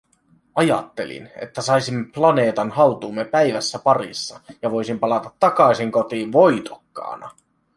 Ajattelin, että saisimme planeetan haltuumme päivässä parissa ja voisin palata takaisin kotiin voitokkaana.